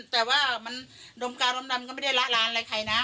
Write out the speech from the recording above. แต่ว่าดมกาวร่มดัมก็ไม่ได้หล่าหลานอะไรใครนะ